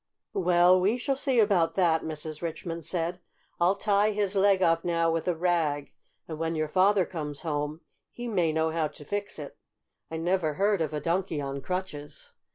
"Well, we shall see about that," Mrs. Richmond said. "I'll tie his leg up now with a rag, and when your father comes home he may know how to fix it. I never heard of a donkey on crutches."